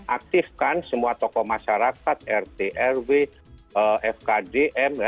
aktifkan semua tokoh masyarakat rt rw fkd m ya